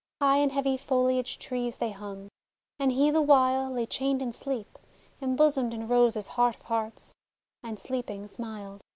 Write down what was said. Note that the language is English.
High in heavy foliaged trees They hung. And he, the while, lay chained in sleep, Embosomed in a Rose's heart of hearts! And sleeping, smiled.